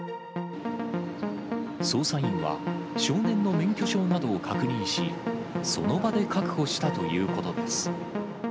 捜査員は、少年の免許証などを確認し、その場で確保したということです。